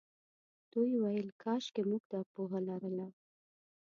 دوی ویل کاشکې موږ دا پوهه لرلای.